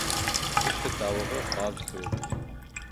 Кеше тауығы ҡаҙ кеүек.